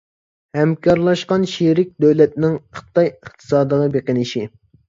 ھەمكارلاشقان شېرىك دۆلەتنىڭ خىتاي ئىقتىسادىغا بېقىنىشى.